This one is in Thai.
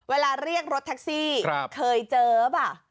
เวลาเรียกรถทักซี่เคยเจอป่ะ